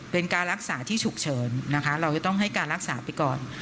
เป็นการรักษาที่ฉุกเฉินนะคะเราจะต้องให้การรักษาไปก่อน